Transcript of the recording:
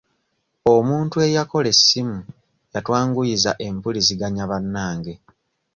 Omuntu eyakola essimu yatwanguyiza empuliziganya bannange.